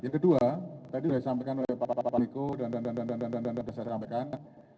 yang kedua tadi sudah disampaikan oleh pak pak pak liko dan dan dan dan dan dan dan dan saya sampaikan